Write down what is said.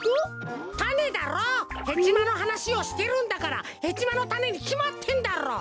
ヘチマのはなしをしてるんだからヘチマのたねにきまってんだろ！